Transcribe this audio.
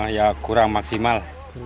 ya kurang maksimal